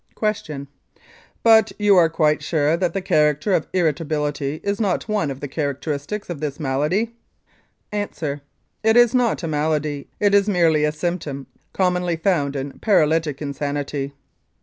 Q. But are you quite sure that the character of irrita bility is not one of the characteristics of this malady? A. It is not a malady. It is merely a symptom, commonly found in paralytic insanity.